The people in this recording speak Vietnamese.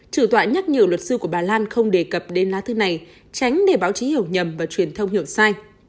chủ tọa nhắc nhiều luật sư của bà lan không đề cập đến lá thư này tránh để báo chí hiểu nhầm và truyền thông hiểu sai